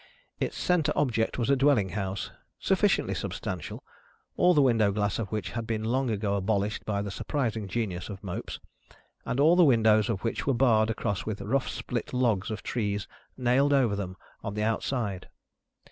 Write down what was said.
Its centre object was a dwelling house, sufficiently substantial, all the window glass of which had been long ago abolished by the surprising genius of Mopes, and all the windows of which were barred across with rough split logs of trees nailed over them on the outside.